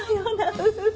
フフフ。